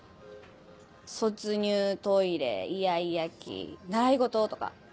「卒乳」「トイレ」「イヤイヤ期」「習い事」とか。